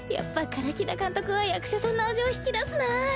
唐木田監督は役者さんの味を引き出すなぁ。